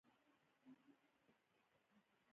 بامیان د افغانستان د هنر په ټولو اثارو کې منعکس کېږي.